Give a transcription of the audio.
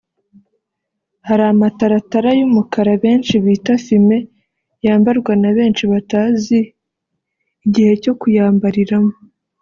hari amataratara y’umukara benshi bita fume yambarwa na benshi batazi igihe cyo kuyambariramo